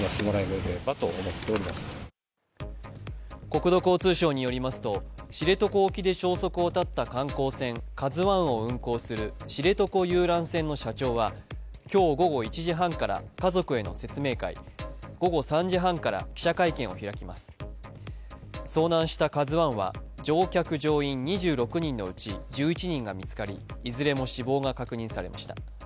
国土交通省によりますと知床沖で消息を絶った観光船「ＫＡＺＵⅠ」を運航する知床遊覧船の社長は今日午後１時半から家族への説明会午後３時半から記者会見を開きます遭難した「ＫＡＺＵⅠ」は乗客・乗員２６人のうち１１人が見つかり、いずれも死亡が確認されました。